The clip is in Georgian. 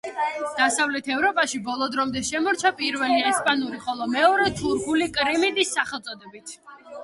დასავლეთ ევროპაში ბოლო დრომდე შემორჩა, პირველი ესპანური, ხოლო მეორე თურქული კრამიტის სახელწოდებით.